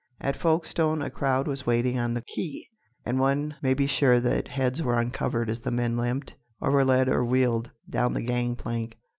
At Folkestone a crowd was waiting on the quay, and one may be sure that heads were uncovered as the men limped, or were led or wheeled, down the gang plank.